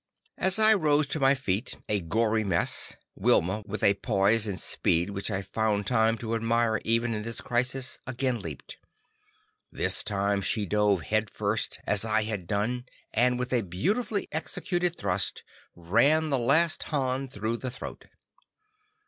As I rose to my feet, a gory mess, Wilma, with a poise and speed which I found time to admire even in this crisis, again leaped. This time she dove head first as I had done and, with a beautifully executed thrust, ran the last Han through the throat.